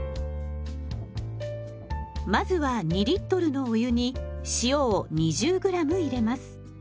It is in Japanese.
まずは２のお湯に塩を２０ｇ入れます。